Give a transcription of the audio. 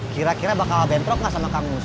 kira kira bakal bentrok nggak sama kang mus